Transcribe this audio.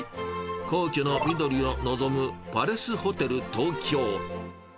皇居の緑を望むパレスホテル東京。